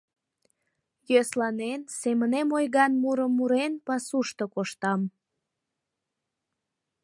Йӧсланен, семынем ойган мурым мурен, пасушто коштам.